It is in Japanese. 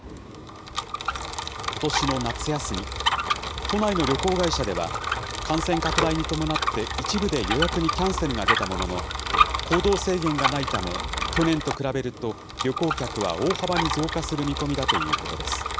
ことしの夏休み、都内の旅行会社では、感染拡大に伴って、一部で予約にキャンセルが出たものの、行動制限がないため、去年と比べると、旅行客は大幅に増加する見込みだということです。